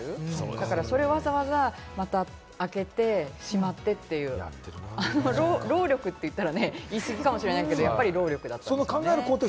だからそれをわざわざ開けて仕舞ってっていう労力って言ったら言い過ぎかもしれないけど、やっぱり労力だったんですね。